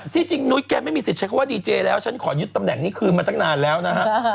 ที่จริงนุ๊ยแกไม่มีสิทธิ์ใช้คำว่าดีเจแล้วฉันขอยึดตำแหน่งนี้คืนมาตั้งนานแล้วนะฮะ